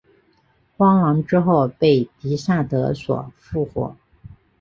荒狼之后被狄萨德所复活。